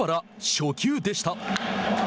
初球でした。